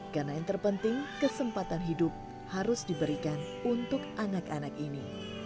karena yang terpenting kesempatan hidup harus diberikan untuk anak anak ini